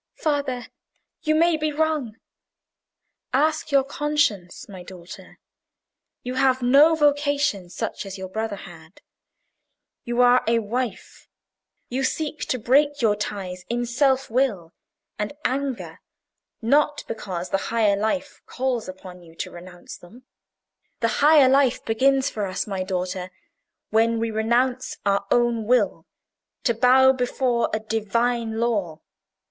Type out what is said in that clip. "Father, you may be wrong." "Ask your conscience, my daughter. You have no vocation such as your brother had. You are a wife. You seek to break your ties in self will and anger, not because the higher life calls upon you to renounce them. The higher life begins for us, my daughter, when we renounce our own will to bow before a Divine law.